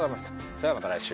それではまた来週。